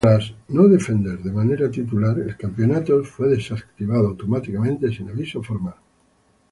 Tras no defender de manera titular, el campeonato fue desactivado automáticamente sin aviso formal.